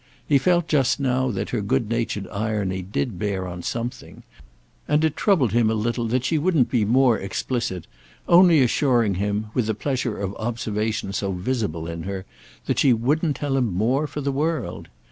He felt just now that her good natured irony did bear on something, and it troubled him a little that she wouldn't be more explicit only assuring him, with the pleasure of observation so visible in her, that she wouldn't tell him more for the world.